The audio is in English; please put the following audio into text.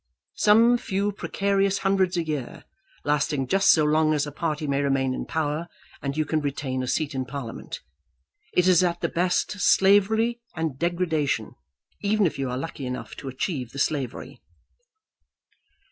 Some few precarious hundreds a year, lasting just so long as a party may remain in power and you can retain a seat in Parliament! It is at the best slavery and degradation, even if you are lucky enough to achieve the slavery."